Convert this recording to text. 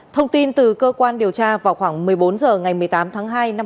thông tin từ cơ quan điều tra vào khoảng một mươi bốn h ngày một mươi tám tháng hai năm hai nghìn hai mươi